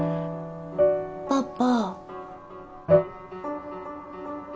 パパ。